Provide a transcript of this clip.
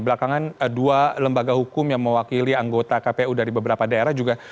belakangan dua lembaga hukum yang mewakili anggota kpu dari beberapa daerah juga